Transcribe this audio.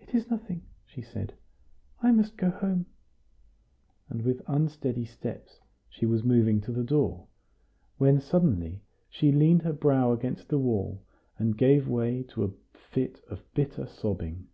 "It is nothing," she said; "I must go home;" and with unsteady steps she was moving to the door, when suddenly she leaned her brow against the wall, and gave way to a fit of bitter sobbing.